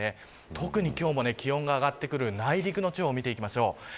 特に今日も気温が上がってくる内陸の地方、見ていきましょう。